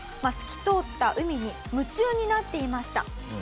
透き通った海に夢中になっていました。